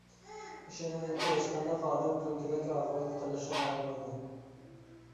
ئىشىنىمەنكى، ھېچقانداق ئادەم تۈلكىدەك ئاقىۋەتكە قېلىشنى خالىمايدۇ.